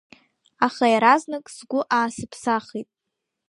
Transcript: Аха иаразнак сгәы аасыԥсахит.